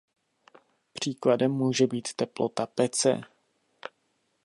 Příkladem může být teplota pece.